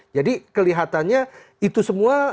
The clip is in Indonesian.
jadi kelihatannya itu semua